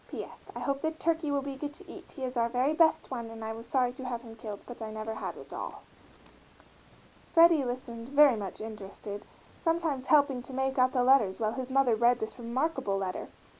P. S. I hope the turkey will be good to eat, he is our very best one and I was sorry to have him killed, but I never had a dol. Freddie listened, very much interested, sometimes helping to make out the letters while his mother read this remarkable letter.